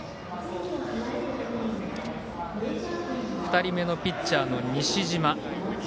２人目のピッチャーの西嶋。